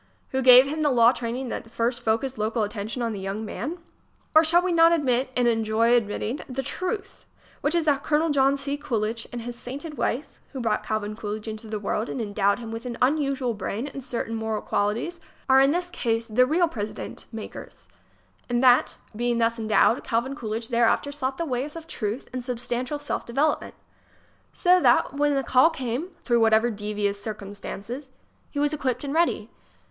who gave him the law training that first focused local attention on the young man? Or, shall we not admit and enjoy admitting the truth, which is that Colonel John C. Coolidge and his sainted wife, who brought Calvin Coolidge into the world and endowed him with an unusual brain and certain moral qualities, are in this case the real president makers; and that, being thus endowed, Calvin Coolidge thereafter sought the ways of truth and substantial self development, so that when the call came, through whatever devious circumstances, he was equipped and ready?